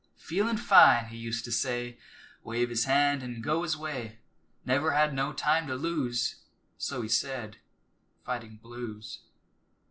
"Feelin' fine," he used to say Wave his hand an' go his way. Never had no time to lose So he said, fighting blues.